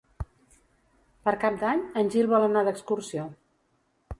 Per Cap d'Any en Gil vol anar d'excursió.